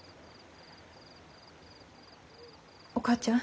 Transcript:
お母ちゃん。